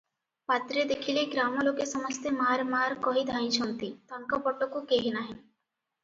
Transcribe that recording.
ପାତ୍ରେ ଦେଖିଲେ ଗ୍ରାମ ଲୋକେ ସମସ୍ତେ ମାର ମାର କହି ଧାଇଁଛନ୍ତି, ତାଙ୍କ ପଟକୁ କେହି ନାହିଁ ।